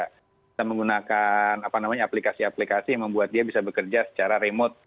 kita menggunakan aplikasi aplikasi yang membuat dia bisa bekerja secara remote